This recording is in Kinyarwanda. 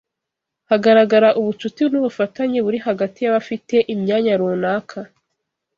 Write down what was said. Hagaragara ubucuti n’ ubufatanye buri hagati y’abafite imyanya runaka